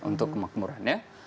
untuk kemakmuran ya